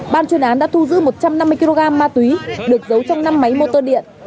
ban chuyên án đã thu giữ một trăm năm mươi kg ma túy được giấu trong năm máy mô tô điện